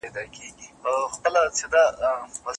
هغه ښه انسان هيڅکله د نورو خلکو ترمنځ تعصب او کرکه نه خپروي.